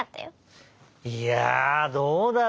いやあどうだろう？